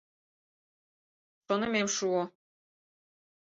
Шонымем шуо!